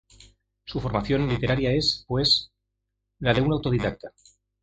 Su formación literaria es, pues, la de un autodidacta.